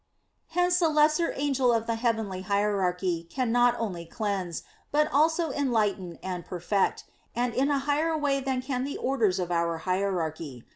Hence the lesser angel of the heavenly hierarchy can not only cleanse, but also enlighten and perfect, and in a higher way than can the orders of our hierarchy.